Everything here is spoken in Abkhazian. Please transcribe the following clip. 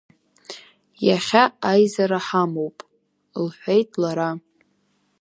Иахьа аизара ҳамоуп, — лҳәеит лара.